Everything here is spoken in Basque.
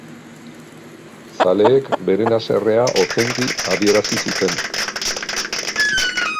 Zaleek beren haserrea ozenki adierazi zuten.